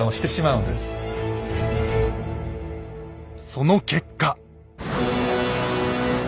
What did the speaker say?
その結果。